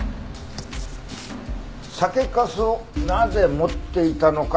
酒粕をなぜ持っていたのか？